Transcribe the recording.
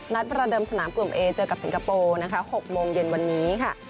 ประเดิมสนามกลุ่มเอเจอกับสิงคโปร์นะคะ๖โมงเย็นวันนี้ค่ะ